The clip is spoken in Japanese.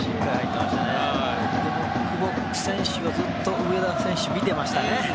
久保選手がずっと上田選手を見てましたね。